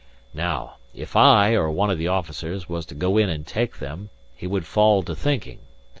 Now, if I, or one of the officers, was to go in and take them, he would fall to thinking.